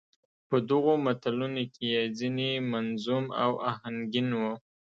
په دغو متلونو کې يې ځينې منظوم او اهنګين وو.